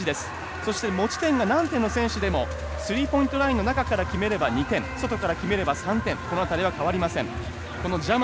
そして持ち点が何点の選手でもスリーポイントラインの中から決めれば２点、外から決めれば３点、変わりません。